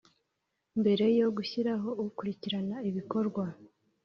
Mbere yo gushyiraho ukurikirana ibikorwa